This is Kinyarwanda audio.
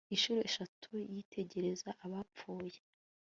Inshuro eshatu yitegereza abapfuye